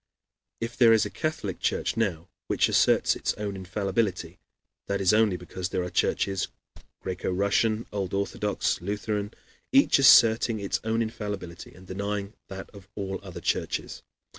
If there is a Catholic Church now which asserts its own infallibility, that is only because there are churches Greco Russian, Old Orthodox, and Lutheran each asserting its own infallibility and denying that of all other churches.